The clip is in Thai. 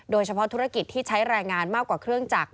โดยเฉพาะธุรกิจที่ใช้แรงงานมากกว่าเครื่องจักร